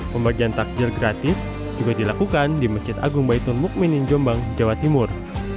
pembagian takjil gratis juga dilakukan di masjid agung baitun mukminin jombang jawa timur